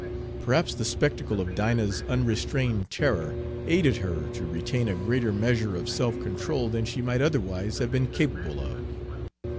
Perhaps the spectacle of Dinah's unrestrained terror aided her to retain a greater measure of self control than she might otherwise have been capable of.